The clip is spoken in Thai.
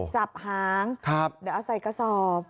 จับหางครับเดี๋ยวอ่าใส่กระสอบ